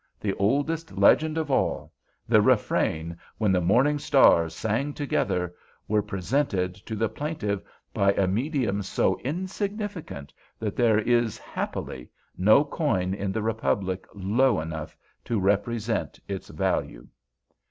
'—the oldest legend of all; the refrain, 'when the morning stars sang together'—were presented to the plaintiff by a medium so insignificant that there is, happily, no coin in the republic low enough to represent its value.